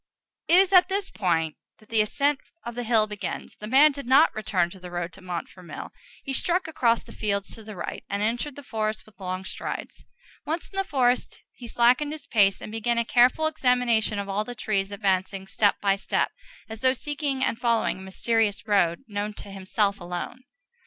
It is at this point that the ascent of the hill begins. The man did not return to the road to Montfermeil; he struck across the fields to the right, and entered the forest with long strides. Once in the forest he slackened his pace, and began a careful examination of all the trees, advancing, step by step, as though seeking and following a mysterious road known to himself alone.